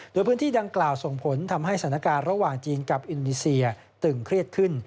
โดยพื้นที่ดังกล่าวส่งผลทำให้สถานการณ์ระหว่างจีนกับอินโดนีเซียตึงเครียดขึ้น